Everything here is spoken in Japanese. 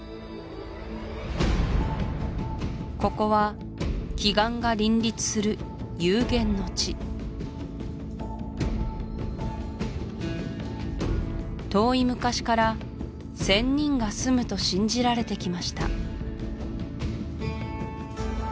ここは奇岩が林立する幽玄の地遠い昔から仙人が住むと信じられてきました